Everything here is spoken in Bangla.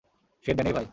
সে ড্যানির ভাই।